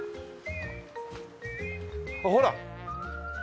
あっほら。